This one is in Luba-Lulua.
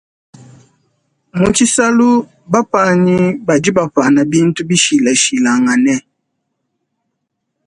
Mutshisalu bapanyi badi bapana bintu bishilashilangane.